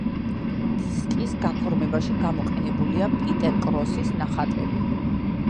დისკის გაფორმებაში გამოყენებულია პიტერ კროსის ნახატები.